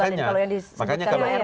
kalau yang disebutkan mbak erma tadi